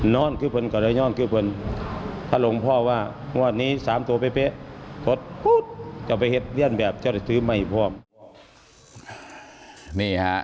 นอนขึ้นเบิ้ลก็ระย่อนขึ้นเบิ้ล